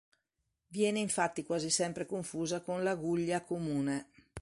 Viene infatti quasi sempre confusa con l'aguglia comune.